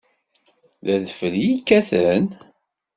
D adfel i yekkaten?